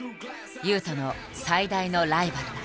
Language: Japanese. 雄斗の最大のライバルだ。